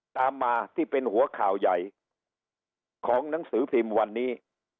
ตามมาที่เป็นหัวข่าวใหญ่ของหนังสือพิมพ์วันนี้